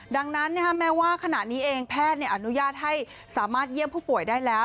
ดังนั้นแม้ว่าขณะนี้เองแพทย์อนุญาตให้สามารถเยี่ยมผู้ป่วยได้แล้ว